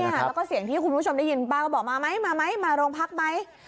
แล้วก็เสียงที่คุณผู้ชมได้ยินป้าก็บอกมาไหมมาไหมมาโรงพักไหม